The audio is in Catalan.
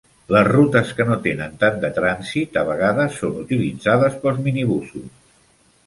Les rutes que no tenen tan trànsit a vegades són utilitzades pels minibusos.